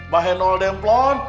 bahai nol demplon